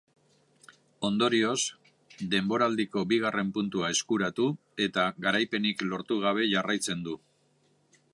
Ondorioz, denboraldiko bigarren puntua eskuratu, eta garaipenik lortu gabe jarraitzen du.